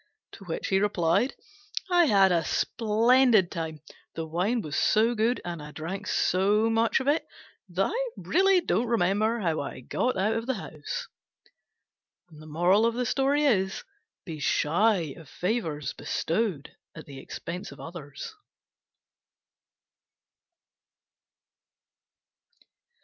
To which he replied, "I had a splendid time: the wine was so good, and I drank so much of it, that I really don't remember how I got out of the house!" Be shy of favours bestowed at the expense of others.